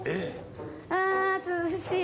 あー涼しい！